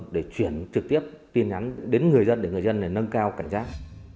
để chuyển trực tiếp tiền nhanh đến người dân để người dân nâng cao cảnh giác